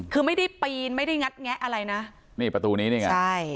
คือไม่ได้ปีนไม่ได้งัดแงะอะไรนะนี่ประตูนี้นี่ไงใช่